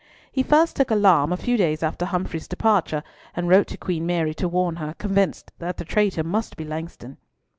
He first took alarm a few days after Humfrey's departure, and wrote to Queen Mary to warn her, convinced that the traitor must be Langston.